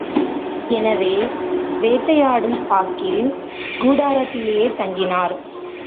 எனவே வேட்டையாடும் சாக்கில் கூடாரத்திலேயே தங்கினார்.